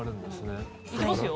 いきますよ。